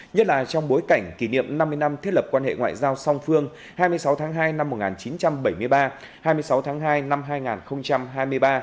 nhất là trong bối cảnh kỷ niệm năm mươi năm thiết lập quan hệ ngoại giao song phương hai mươi sáu tháng hai năm một nghìn chín trăm bảy mươi ba hai mươi sáu tháng hai năm hai nghìn hai mươi ba